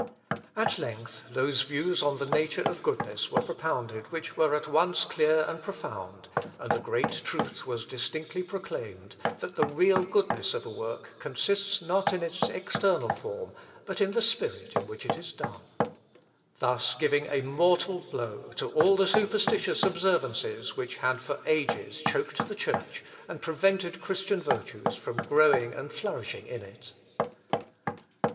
At length those views on the nature of goodness were propounded which were at once clear and profound, and the great truth was distinctly proclaimed, that the real goodness of a work consists not in its external form, but in the spirit in which it is done. Thus giving a mortal blow to all the superstitious observances, which had for ages choked the Church, and prevented Christian virtues from growing and flourishing in it.